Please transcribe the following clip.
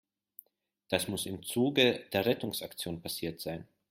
Das muss im Zuge der Rettungsaktion passiert sein.